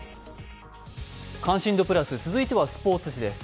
「関心度プラス」続いてはスポーツ紙です。